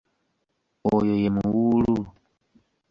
Oyo ye muwuulu.